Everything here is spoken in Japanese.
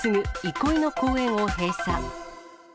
憩いの公園を閉鎖。